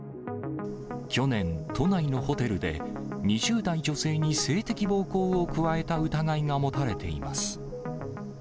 去年、都内のホテルで、２０代女性に性的暴行を加えた疑いが持たれています。